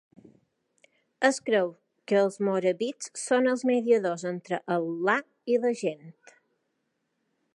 Es creu que els morabits són els mediadors entre Al·là i la gent.